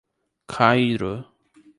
Cairu